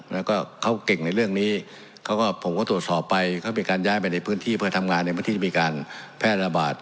แล้วก็เขาเก่งในเรื่องนี้เขาก็ผมก็ตรวจสอบไปเขามีการย้ายไปในพื้นที่เพื่อทำงานในเมื่อที่มีการแพร่ระบาด